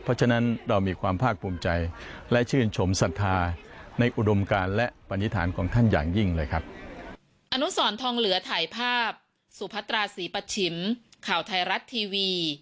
เพราะฉะนั้นเรามีความภาคภูมิใจและชื่นชมศรัทธาในอุดมการและปนิษฐานของท่านอย่างยิ่งเลยครับ